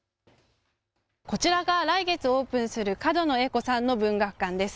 こちらが来月オープンする角野栄子さんの文学館です。